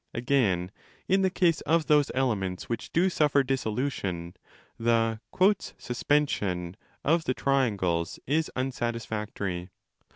Again, in the case of those elements which do suffer dissolution, the 'suspension' of the triangles is unsatis factory.